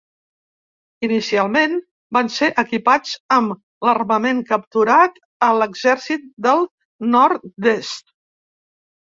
Inicialment van ser equipats amb l'armament capturat a l'Exèrcit del Nord-est.